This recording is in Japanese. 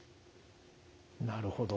なるほど。